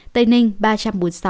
tây ninh ba trăm bốn mươi sáu